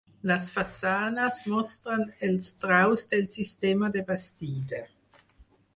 Les façanes mostren els traus del sistema de bastida.